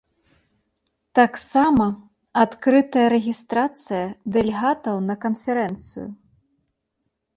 Таксама адкрытая рэгістрацыя дэлегатаў на канферэнцыю.